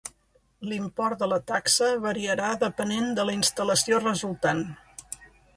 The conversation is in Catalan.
L'import de la taxa variarà depenent de la instal·lació resultant.